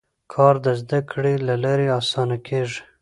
کار د زده کړې له لارې اسانه کېږي